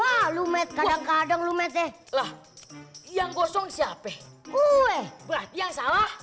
lalu met kadang kadang lumete lah yang gosong siapa gue berarti yang salah